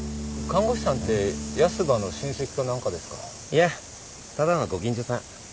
いやただのご近所さん。